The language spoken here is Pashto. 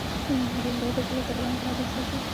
بېنډۍ د زړه ضربان برابر ساتي